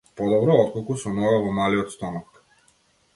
Подобро отколку со нога во малиот стомак.